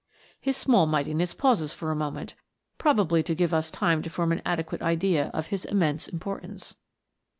His small mightiness pauses for a moment, probably to give us time to form an adequate idea of his immense importance.